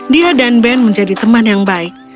dia dan ben menjadi teman yang baik